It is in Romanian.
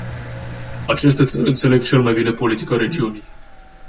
Aceste țări înțeleg cel mai bine politica regiunii.